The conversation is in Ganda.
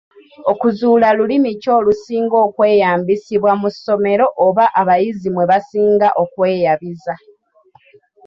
Okuzuula lulimi ki olusinga okweyambisibwa mu ssomero oba abayizi mwe basinga okweyabiza.